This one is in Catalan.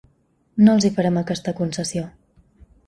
No els hi farem aquesta concessió.